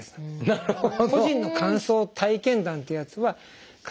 なるほど。